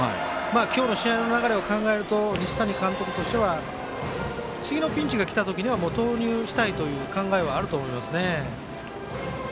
今日の試合の流れを考えると、西谷監督としては次のピンチがきたときには投入したいという考えはあると思います。